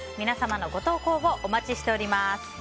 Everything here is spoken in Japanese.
皆さんのご投稿をお待ちしております。